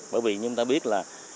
bởi vì chúng ta biết là